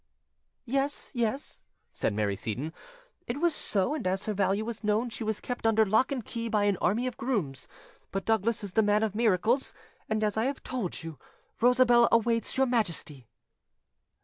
"Yes, yes," said Mary Seyton, "it was so; and as her value was known, she was kept under lock and key by an army of grooms; but Douglas is the man of miracles, and, as I have told you, Rosabelle awaits your Majesty."